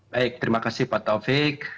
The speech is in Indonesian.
baik terima kasih pak taufik